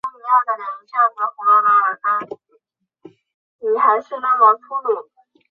樱田元亲是安土桃山时代至江户时代初期的武将。